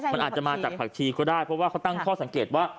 มันอาจจะมาจากผักชีก็ได้เพราะว่าเขาตั้งข้อสังเกตว่า